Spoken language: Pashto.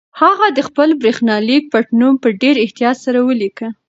هغه د خپل برېښنالیک پټنوم په ډېر احتیاط سره ولیکه.